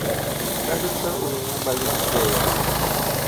Кажется, у меня болит шея...